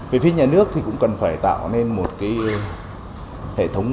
về phía nhà nước thì cũng cần phải tạo nên một cái hệ thống